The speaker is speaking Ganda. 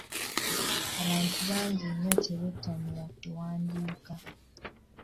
Abantu bangi nnyo tebettanira kuwandiika.